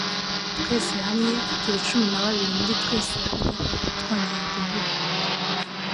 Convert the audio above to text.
Twese hamwe turi cumi na babiri muri twese hamwe twongeye guhura.